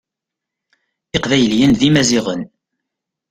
Iqbayliyen d imaziɣen.